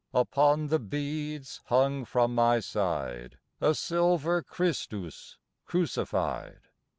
Upon the beads hung from my side A silver Christus crucified.